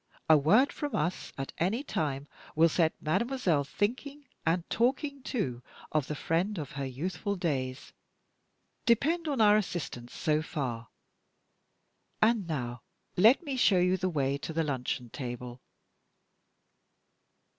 A word from us at any time will set mademoiselle thinking, and talking too, of the friend of her youthful days. Depend on our assistance so far. And now let me show you the way to the luncheon table."